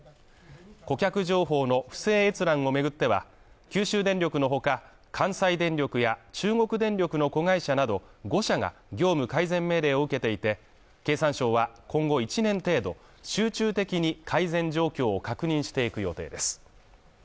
顧客情報の不正閲覧を巡っては、九州電力の他、関西電力や中国電力の子会社など５社が業務改善命令を受けていて、経産省は、今後１年程度、集中的に改善状況を確認していく予定です。